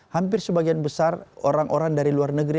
hampir sebagian besar orang orang dari luar negeri